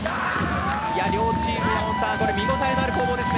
両チーム見応えのある攻防ですね。